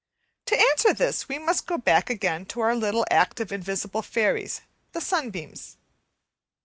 To answer this we must go back again to our little active invisible fairies the sunbeams.